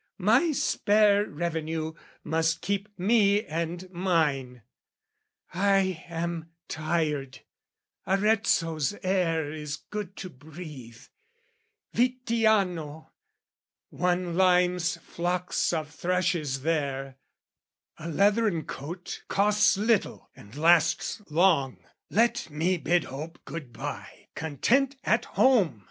"My spare revenue must keep me and mine. "I am tired: Arezzo's air is good to breathe; "Vittiano, one limes flocks of thrushes there; "A leathern coat costs little and lasts long: "Let me bid hope good bye, content at home!"